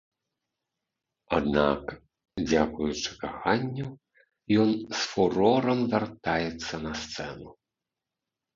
Аднак дзякуючы каханню ён з фурорам вяртаецца на сцэну.